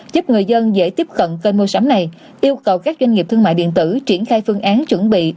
giúp người dân dễ tiếp cận kênh mua sắm này yêu cầu các doanh nghiệp thương mại điện tử triển khai phương án chuẩn bị